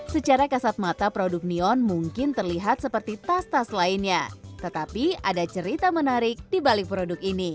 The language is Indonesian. secara kasat mata produk neon mungkin terlihat seperti tas tas lainnya tetapi ada cerita menarik di balik produk ini